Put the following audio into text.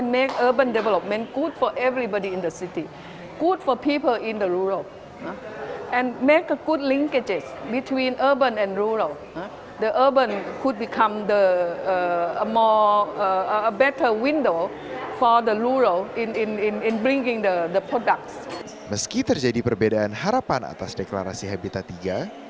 meski terjadi perbedaan harapan atas deklarasi habitat iii